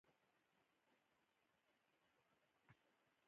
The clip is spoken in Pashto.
ملخ وویل ولې حیرانه یې ولې خپه یې اوښکي ولې دي.